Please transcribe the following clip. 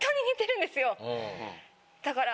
だから。